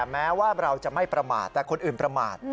แม้ว่าเราจะไม่ประมาทแต่คนอื่นประมาท